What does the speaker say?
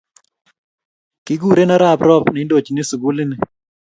Kikuren arap Rop neindochin sukuli ni